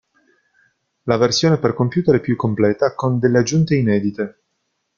La versione per computer è più completa, con delle aggiunte inedite.